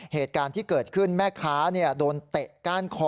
เหตุการณ์ที่เกิดขึ้นแม่ค้าโดนเตะก้านคอ